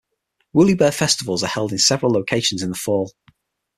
Woolleybear Festivals are held in several locations in the fall.